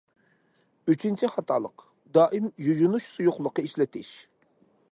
ئۈچىنچى خاتالىق: دائىم يۇيۇنۇش سۇيۇقلۇقى ئىشلىتىش.